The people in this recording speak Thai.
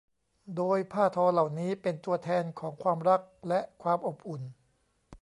โดยผ้าทอเหล่านี้เป็นตัวแทนของความรักและความอบอุ่น